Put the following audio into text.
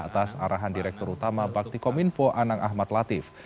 atas arahan direktur utama bakti kominfo anang ahmad latif